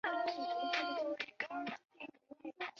小樽港进入了战前的全盛时期。